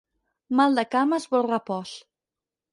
Mal de cames vol repòs.